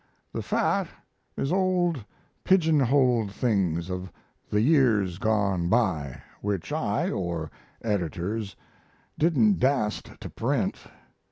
The "fat" is old pigeonholed things of the years gone by which I or editors didn't das't to print.